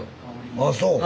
ああそう。